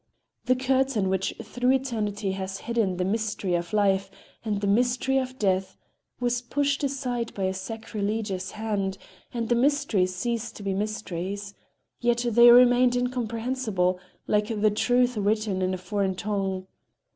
The curtain which through eternity has hidden the mystery of life and the mystery of death was pushed aside by a sacrilegious hand, and the mysteries ceased to be mysteries—yet they remained incomprehensible, like the Truth written in a foreign tongue.